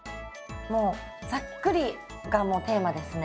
もうざっくりがもうテーマですね。